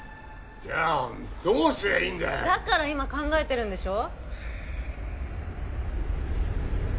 じゃあどうすりゃいいんだだから今考えてるんでしょ